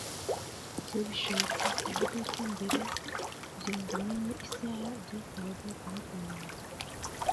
Ibyo bishatse kuvuga ko mbere kugirango umenye isaha byasabaga guhagarara